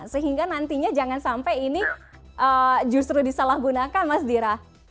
sehingga nantinya jangan sampai ini justru disalahgunakan mas dira